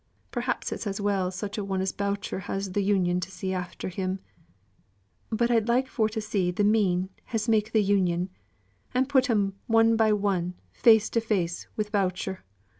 Perhaps it's as well such a one as Boucher has th' Union to see after him. But I'd just like for to see th' men as make th' Union, and put 'em one by one face to face wi' Boucher.